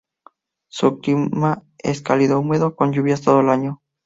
Su clima es cálido húmedo con lluvias todo el año.